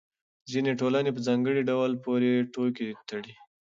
ځینې ټولنې په ځانګړو ډلو پورې ټوکې تړي.